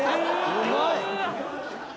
うまい！